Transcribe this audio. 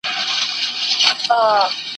مُلا قاضي وي ملا افسر وي !.